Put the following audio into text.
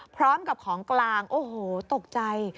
พร้อมกับของกลางโอ้โหตกใจ